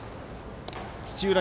土浦